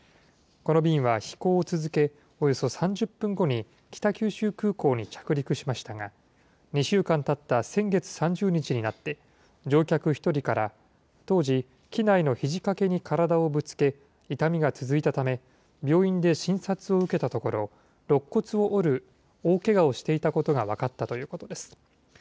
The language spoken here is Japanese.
この便は飛行を続け、およそ３０分後に北九州空港に着陸しましたが、２週間たった先月３０日になって乗客１人から当時、機内のひじ掛けに体をぶつけ、痛みが続いたため、病院で診察を受けたところ、ろっ骨を折る大けがをしていたことが分かったということです。